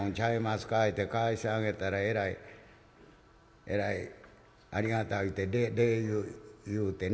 言うて返してあげたらえらいえらいありがたい言うて礼を言うてね